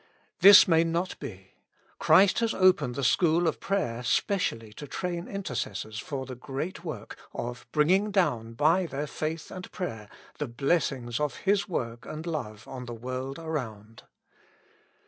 This may not be. Christ has opened the school of prayer specially to train intercessors for the great work of bringing down, by their faith and prayer, the blessings of His work and love on the world around.